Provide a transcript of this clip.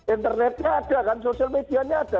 internetnya ada kan sosial medianya ada